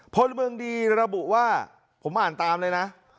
พลเมืองดีระบุว่าผมอ่านตามเลยนะ